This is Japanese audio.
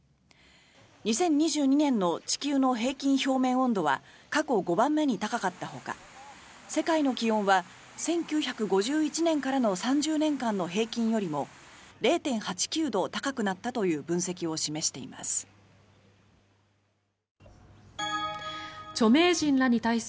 ２０２２年の地球の平均表面温度は過去５番目に高かったほか世界の気温は１９５１年からの３０年間の平均よりも０．８９度高くなったという分析を示しています。